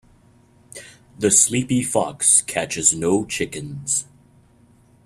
The sleepy fox catches no chickens.